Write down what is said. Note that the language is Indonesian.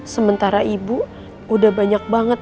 sementara ibu udah banyak banget